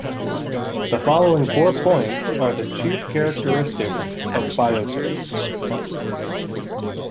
The following four points are the chief characteristics of biotopes.